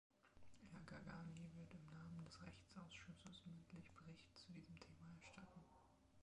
Herr Gargani wird im Namen des Rechtsausschusses mündlich Bericht zu diesem Thema erstatten.